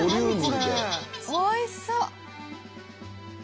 おいしそう！